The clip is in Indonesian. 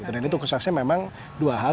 dan itu kesaksian memang dua hal